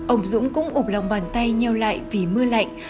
ông dũng cũng ụp lòng bàn tay nheo lại vì mưa lạnh